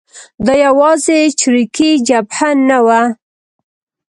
دا یوازې چریکي جبهه نه وه.